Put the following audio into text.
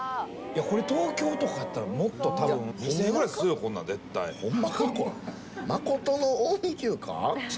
これ東京とかやったらもっとたぶん２０００円ぐらいするよこんな絶対ほんまか？